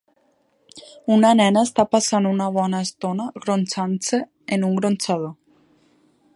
Una nena està passant una bona estona gronxant-se en un gronxador.